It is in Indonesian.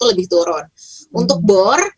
lebih turun untuk bor